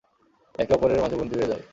একে অপরের মাঝে বন্দি হয়ে যায়।